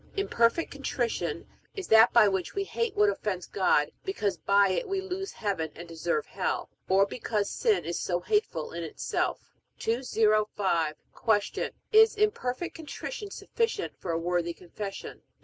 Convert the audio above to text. Imperfect contrition is that by which we hate what offends God, because by it we lose heaven and deserve hell; or because sin is so hateful in itself. 205. Q. Is imperfect contrition sufficient for a worthy confession?